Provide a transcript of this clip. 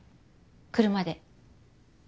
車で。